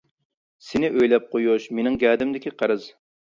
سېنى ئۆيلەپ قويۇش مېنىڭ گەدىنىمدىكى قەرز.